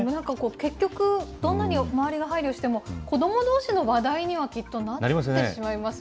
結局、どんなに周りが配慮しても子どもどうしの話題にはきっとなってしまいますよね。